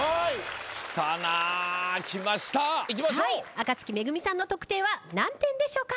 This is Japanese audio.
暁月めぐみさんの得点は何点でしょうか？